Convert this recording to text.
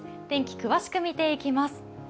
天気、詳しく見ていきます。